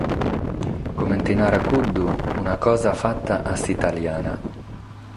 Comente narat cuddu: “una cosa fata a s’italiana”.